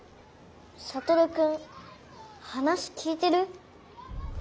サトルくん話聞いてる？